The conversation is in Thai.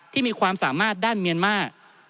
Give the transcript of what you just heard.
มีความสามารถด้านเมียนมาร์